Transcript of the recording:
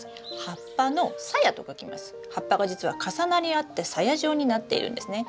葉っぱが実は重なり合って鞘状になっているんですね。